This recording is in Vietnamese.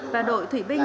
và đội thủy binh